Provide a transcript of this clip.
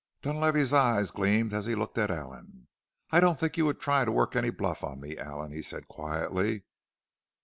Dunlavey's eyes gleamed as he looked at Allen. "I don't think you would try to work any bluff on me, Allen," he said quietly.